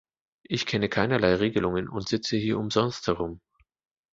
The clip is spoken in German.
Ich kenne keinerlei Regelungen und sitze hier umsonst herum.